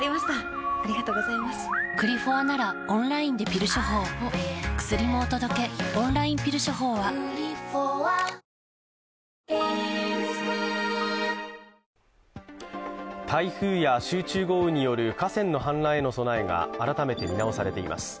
岸田派の議員からも台風や集中豪雨による河川の氾濫への備えが改めて見直されています。